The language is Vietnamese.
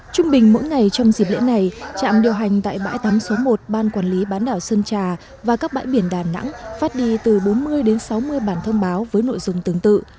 trung bình mỗi ngày trong dịp lễ này trạm điều hành tại bãi tắm số một ban quản lý bán đảo sơn trà và các bãi biển đà nẵng phát đi từ bốn mươi đến sáu mươi bản thông báo với nội dung tương tự